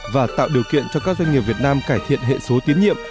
và tạo điều kiện cho các doanh nghiệp việt nam cải thiện hệ số tiến nhiệm